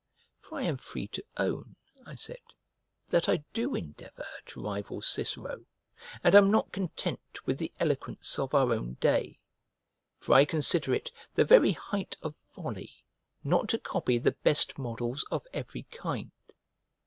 "For I am free to own," I said, "that I do endeavour to rival Cicero, and am not content with the eloquence of our own day. For I consider it the very height of folly not to copy the best models of every kind.